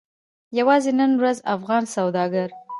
یوازې نن ورځ افغان سوداګرو